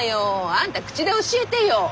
あんた口で教えてよ。